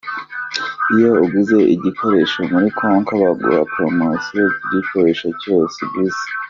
Iyo uguze igikoresho muri Konka baguha promosiyo ku gikoresho cyose uguze.